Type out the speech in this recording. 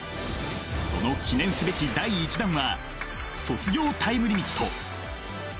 その記念すべき第１弾は「卒業タイムリミット」。